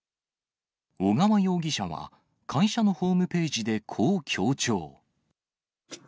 尾川容疑者は会社のホームページでこう強調。